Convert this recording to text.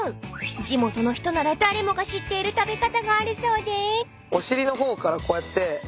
［地元の人なら誰もが知っている食べ方があるそうで］